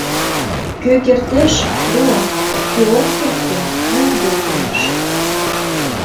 Кӧ кертеш — руа, кӧ ок керт гын, руыде кодеш.